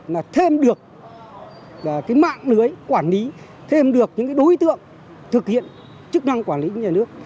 là thêm được cái mạng lưới quản lý thêm được những đối tượng thực hiện chức năng quản lý nhà nước